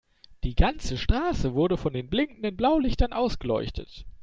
Die ganze Straße wurde von den blinkenden Blaulichtern ausgeleuchtet.